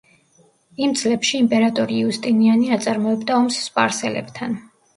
იმ წლებში იმპერატორი იუსტინიანე აწარმოებდა ომს სპარსელებთან.